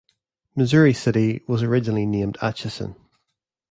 Missouri City was originally named Atchison.